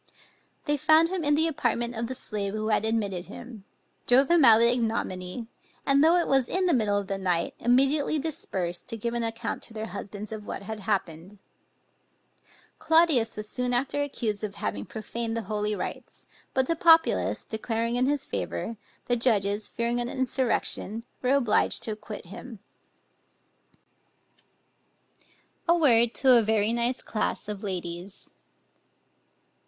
They found him in the apartment of the slave who had admitted him, drove him out with ignominy, and, though it was in the middle of the night immediately dispersed, to give an account to their husbands of what had happened. Claudius was soon after accused of having profaned the holy rites; but the populace declaring in his favor, the judges, fearing an insurrection, were obliged to acquit him. Masonry A WORD TO A VERY NICE CLASS OF LADIES.